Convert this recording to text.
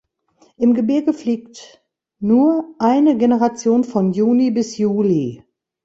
Im Gebirge fliegt nur eine Generation von Juni bis Juli.